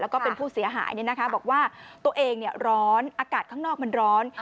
แล้วก็เป็นผู้เสียหายบอกว่าตัวเองร้อนอากาศข้างนอกมันร้อน